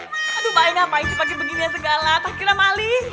pak eh aduh pak eh ngapain sih pake beginian segala tak kira maling